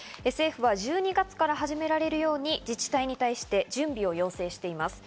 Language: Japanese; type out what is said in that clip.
１２月から始められるように自治体に準備を要請しています。